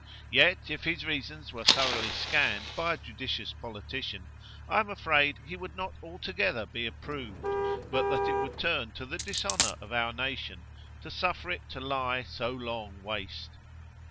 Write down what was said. Yet if his reasons were thoroughly scanned by a judicious politician, I am afraid he would not altogether be approved, but that it would turn to the dishonour of our nation, to suffer it to lie so long waste.